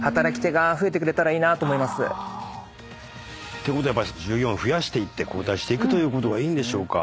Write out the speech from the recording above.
てことは従業員を増やしていって交代していくということがいいんでしょうか。